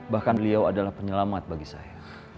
bahkan beliau adalah penyelamat bagi saya